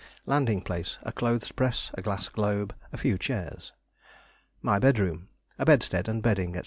Landing place: A clothes press, a glass globe, a few chairs. My Bedroom: A bedstead and bedding, &c.